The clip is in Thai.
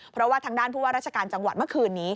เพราะว่าทางด้านรัชกาลจังหวัดเมื่อคืนนี้